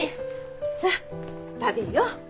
さあ食べよう！